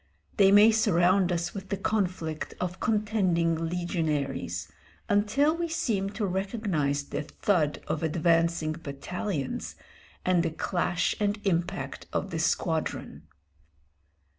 They may surround us with the conflict of contending legionaries, until we seem to recognise the thud of advancing battalions and the clash and impact of the squadron.